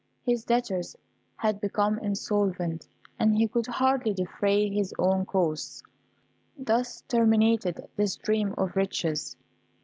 His debtors had become insolvent, and he could hardly defray his own costs. Thus terminated this dream of riches.